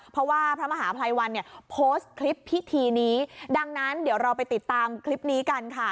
เพราะว่าพระมหาภัยวันเนี่ยโพสต์คลิปพิธีนี้ดังนั้นเดี๋ยวเราไปติดตามคลิปนี้กันค่ะ